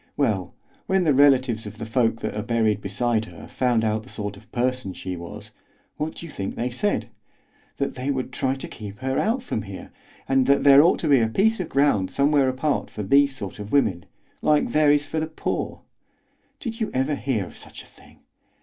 Well, when the relatives of the folk that are buried beside her found out the sort of person she was, what do you think they said? That they would try to keep her out from here, and that there ought to be a piece of ground somewhere apart for these sort of women, like there is for the poor. Did you ever hear of such a thing?